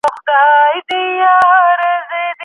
که جګړې نه وای نو باورونه به نه وو ژوبل سوي.